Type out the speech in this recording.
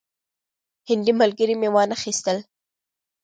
هندي ملګري مې وانه خیستل.